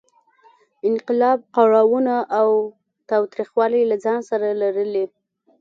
انقلاب کړاوونه او تاوتریخوالی له ځان سره لرلې.